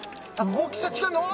・大きさ違うのああ